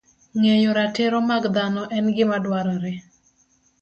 Ng'eyo ratiro mag dhano en gima dwarore